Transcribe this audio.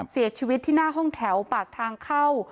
เสียชีวิตที่หน้าห้องแถวปากทางเข้า